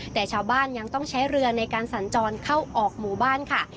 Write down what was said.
แต่ชาวบ้านยังต้องใช้เรือในการสัญจรเข้าออกหมู่บ้านค่ะ